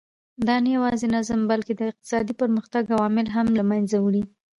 دا نه یوازې نظم بلکې د اقتصادي پرمختګ عوامل هم له منځه وړي.